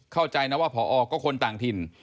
เข้าใจนะว่าพอก็คนต่างถิ่น